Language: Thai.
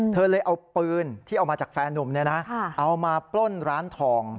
เธอเลยเอาปืนที่เอามาจากแฟนนุ่มเอามาปล้นร้านทอง